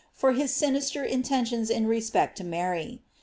for his sinister intentions iu respect to Mary.